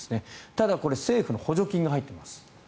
ただ、これ政府の補助金が入っています。